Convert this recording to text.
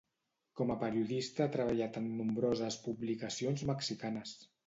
Com a periodista ha treballat en nombroses publicacions mexicanes.